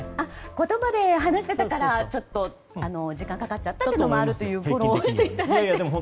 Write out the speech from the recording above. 言葉で話していたから時間がかかっちゃったというフォローをしていただいて。